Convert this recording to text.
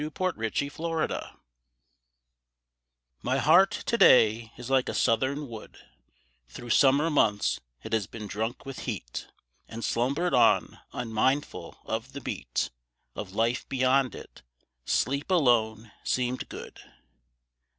RETURNED BIRDS My heart to day is like a southern wood, Through summer months it has been drunk with heat; And slumbered on unmindful of the beat Of life beyond it: sleep alone seemed good.